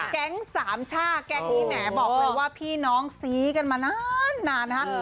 แก๊งสามช่าแก๊งนี้แหมบอกเลยว่าพี่น้องซี้กันมานานนะคะ